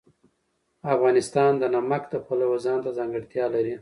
افغانستان د نمک د پلوه ځانته ځانګړتیا لري.